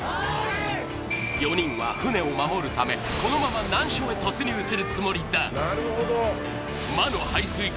４人は舟を守るためこのまま難所へ突入するつもりだ